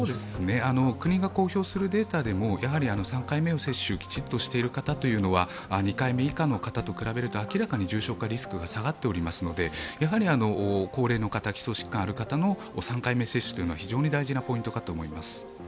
国が公表するデータでも、やはり３回目の接種をきちんとされている方は２回目以下の方と比べると明らかに重症化リスクが下がっておりますので、高齢の方、基礎疾患のある方の３回目接種は非常に大事なポイントかと思います。